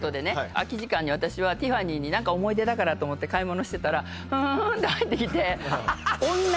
空き時間に私はティファニーに何か思い出だからと思って買い物してたらフンフンって入ってきて・